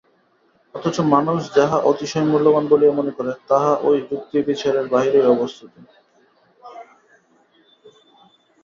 অথচ মানুষ যাহা অতিশয় মূল্যবান বলিয়া মনে করে, তাহা ঐ যুক্তিবিচারের বাহিরেই অবস্থিত।